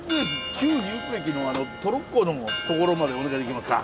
旧仁宇布駅のトロッコの所までお願いできますか？